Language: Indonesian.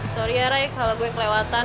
sorry ya rai kalau gue kelewatan